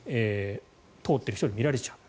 通っている人に見られちゃう。